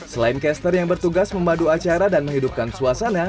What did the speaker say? selain caster yang bertugas memadu acara dan menghidupkan suasana